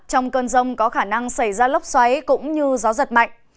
trong cơn rông có khả năng xảy ra lốc xoáy cũng như gió giật mạnh